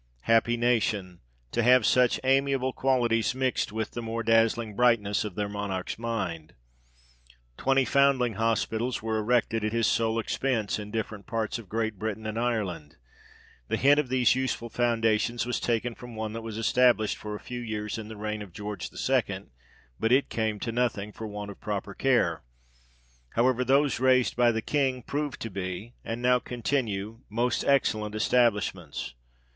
Happy nation ! to have such amiable qualities mixt with the more dazzling brightness of their Monarch's mind ! Twenty foundling hospitals were erected at his sole expence, in different parts of Great Britain and Ireland : the hint of these useful foundations, was taken from one that was established for a few years in the reign of George II. but it came to nothing, for want of proper care : however, those raised by the King, proved to be, and now continue, most excellent establish ments.